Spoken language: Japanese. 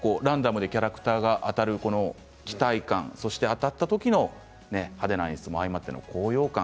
ランダムにキャラクターが当たる期待感、そして当たった時の派手な演出も相まっての高揚感。